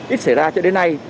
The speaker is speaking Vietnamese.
ít xảy ra cho đến nay